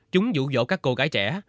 chúng dụ dỗ các cô gái trẻ